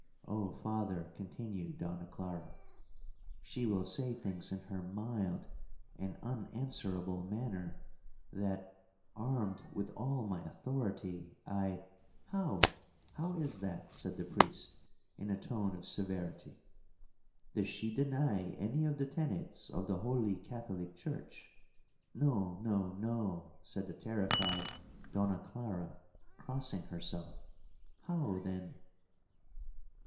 '—'Oh, Father,' continued Donna Clara, 'she will say things in her mild and unanswerable manner, that, armed with all my authority, I'—'How—how is that?' said the priest, in a tone of severity—'does she deny any of the tenets of the holy Catholic church?'—'No! no! no!' said the terrified Donna Clara crossing herself. 'How then?'